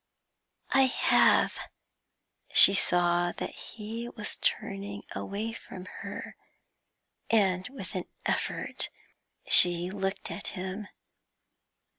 'I have.' She saw that he was turning away from her, and with an effort she looked at him.